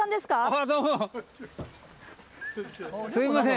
すいません。